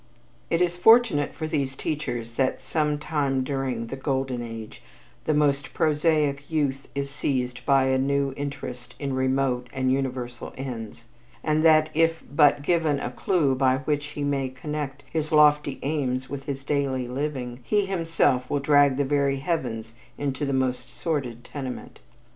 It is fortunate for these teachers that sometime during "The Golden Age" the most prosaic youth is seized by a new interest in remote and universal ends, and that if but given a clue by which he may connect his lofty aims with his daily living, he himself will drag the very heavens into the most sordid tenement.